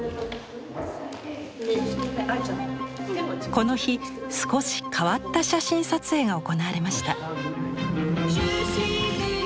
この日少し変わった写真撮影が行われました。